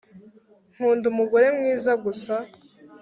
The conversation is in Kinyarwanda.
nkunda umugore mwiza gusa